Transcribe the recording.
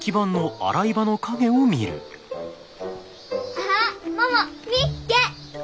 あっ百見っけ！